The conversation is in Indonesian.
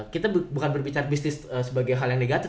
kita bukan berbicara bisnis sebagai hal yang negatif